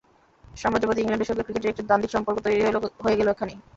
সাম্রাজ্যবাদী ইংল্যান্ডের সঙ্গে ক্রিকেটের একটি দ্বান্দ্বিক সম্পর্ক তৈরি হয়ে গেল এখানেই।